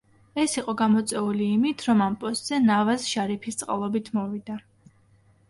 ეს იყო გამოწვეული იმით, რომ ამ პოსტზე ნავაზ შარიფის წყალობით მოვიდა.